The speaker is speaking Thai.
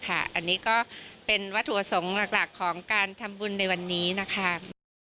อันนี้ก็เป็นวัตถุประสงค์หลักของการทำบุญในวันนี้นะคะ